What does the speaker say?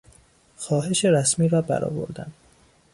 خواهش رسمی را برآوردن